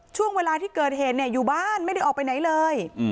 ช่วงเวลาที่เกิดเหตุอยู่บ้านไม่ได้ออกไปไหนเลย